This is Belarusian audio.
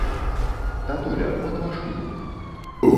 Татуля, от ваш унук.